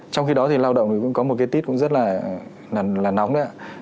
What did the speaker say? trong khi đó thì lao động thì cũng có một cái tít cũng rất là nóng đấy ạ